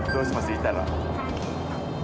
いたら。